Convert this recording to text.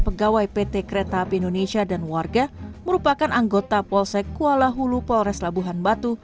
pegawai pt kereta api indonesia dan warga merupakan anggota polsek kuala hulu polres labuhan batu